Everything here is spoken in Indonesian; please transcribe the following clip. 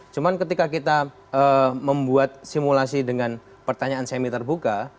cuma ketika kita membuat simulasi dengan pertanyaan semi terbuka